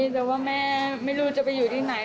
แต่ว่าแม่ไม่รู้จะไปอยู่ที่ไหน